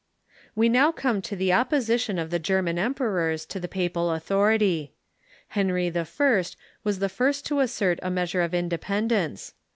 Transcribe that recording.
We now come to the opposition of the German emperors to the papal authority, Henry I. was the first to assert a meas ure of independence.